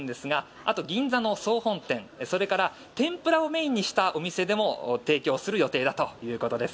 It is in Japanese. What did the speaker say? あと銀座の総本店それから天ぷらをメインにしたお店でも提供する予定だということです。